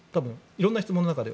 色んな質問の中で。